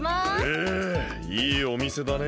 へえいいおみせだねえ。